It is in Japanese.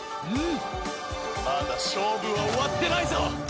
まだ勝負は終わってないぞ！